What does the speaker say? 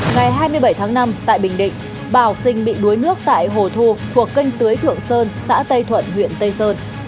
ngày hai mươi bảy tháng năm tại bình định ba học sinh bị đuối nước tại hồ thu thuộc kênh tưới thượng sơn xã tây thuận huyện tây sơn